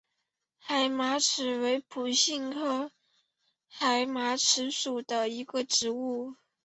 海马齿为番杏科海马齿属的植物。